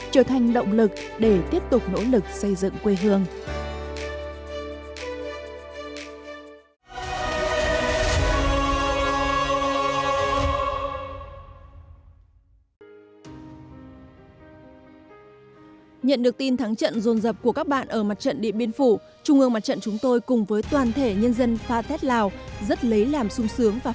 trở thành động lực để tiếp tục nỗ lực xây dựng quê hương